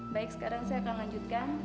baik sekarang saya akan lanjutkan